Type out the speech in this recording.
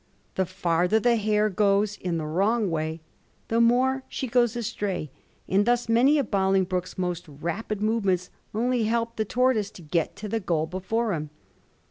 The farther the hare goes in the wrong way the more she ^oes astray, and thus many of Bolingbroke's most rapid movements only helped the tortoise to get to the goal before him.